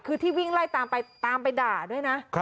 คือที่วิ่งไล่ตามไปตามไปด่าด้วยนะ